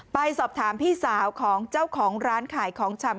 ไปสอบถามพี่สาวของเจ้าของร้านขายของชำ